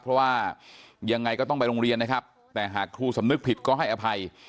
เพราะว่ายังไงก็ต้องไปโรงเรียนนะครับแต่หากครูสำนึกผิดก็ให้อภัย